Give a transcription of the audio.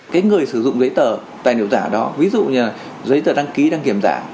cái người sử dụng giấy tờ tài liệu giả đó ví dụ như là giấy tờ đăng ký đăng kiểm giả